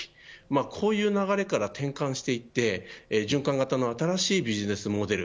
こういう流れから転換していって循環型の新しいビジネスモデル